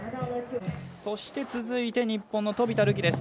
そして、続いて日本の飛田流輝。